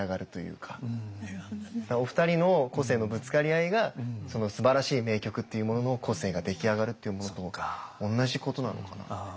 お二人の個性のぶつかり合いがすばらしい名曲っていうものの個性が出来上がるっていうものとおんなじことなのかなって。